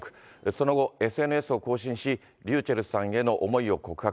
その後、ＳＮＳを更新し、ｒｙｕｃｈｅｌｌさんへの思いを告白。